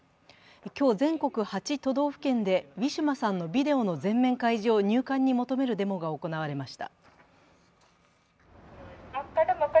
今日全国８都道府県でウィシュマさんのビデオの全面開示を入管に求めるデモが行われました。